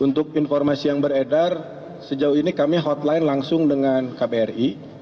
untuk informasi yang beredar sejauh ini kami hotline langsung dengan kbri